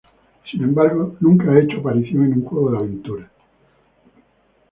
Sin embargo nunca ha hecho aparición en un juego de aventuras.